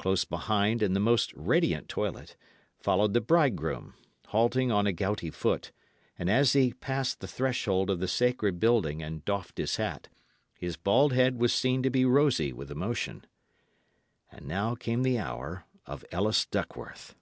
Close behind, in the most radiant toilet, followed the bridegroom, halting on a gouty foot; and as he passed the threshold of the sacred building and doffed his hat, his bald head was seen to be rosy with emotion. And now came the hour of Ellis Duckworth.